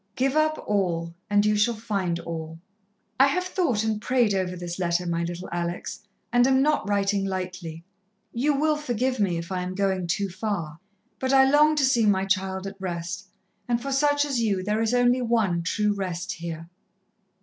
Give up all, and you shall find all. "I have thought and prayed over this letter, my little Alex, and am not writing lightly. You will forgive me if I am going too far, but I long to see my child at rest, and for such as you there is only one true rest here.